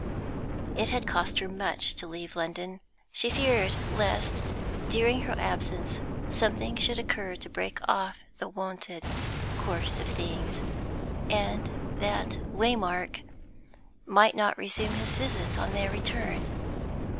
It had cost her much to leave London. She feared lest, during her absence, something should occur to break off the wonted course of things, and that Waymark might not resume his visits on their return.